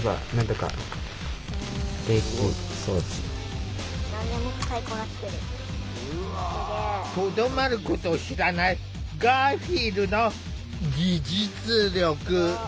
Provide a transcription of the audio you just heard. とどまることを知らないガーフィールの技術力。